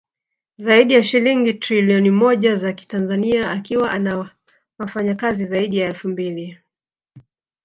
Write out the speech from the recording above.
Zaidi ya shilingi Trilioni moja za kitanzania akiwa ana wafanyakazi zaidi ya elfu mbili